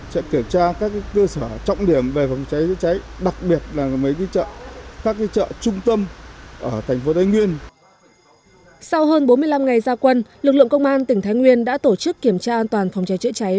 sau hơn bốn mươi năm ngày gia quân lực lượng công an tỉnh thái nguyên đã tổ chức kiểm tra an toàn phòng cháy chữa cháy